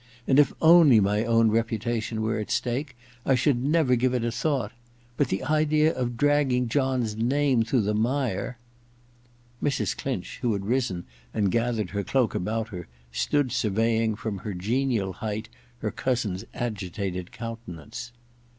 . and if only my own reputation were at stake, I should never give it a thought ... but the idea of dragging John's name through the mire ...' Mrs. Clinch, who had risen and gathered her cloak about her, stood surveying from her genial height her cousin's agitated countenance.